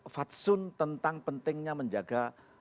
fatsun tentang pentingnya menjaga